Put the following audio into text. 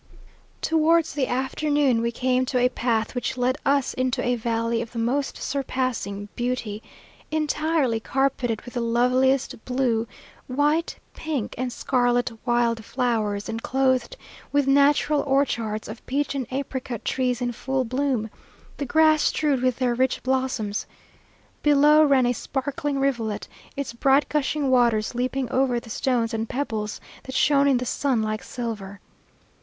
Towards the afternoon we came to a path which led us into a valley of the most surpassing beauty, entirely carpeted with the loveliest blue, white, pink, and scarlet wild flowers, and clothed with natural orchards of peach and apricot trees in full bloom, the grass strewed with their rich blossoms. Below ran a sparkling rivulet, its bright gushing waters leaping over the stones and pebbles that shone in the sun like silver.